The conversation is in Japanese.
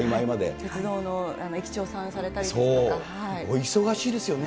鉄道の駅長さんされたりとか。お忙しいですよね。